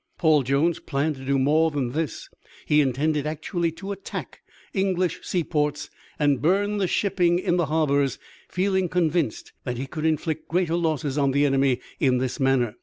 Paul Jones planned to do more than this; he intended actually to attack English seaports and burn the shipping in the harbors, feeling convinced that he could inflict greater losses on the enemy in this manner.